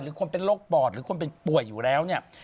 หรือคนเป็นโรคปอดหรือคนเป็นป่วยอยู่แล้ว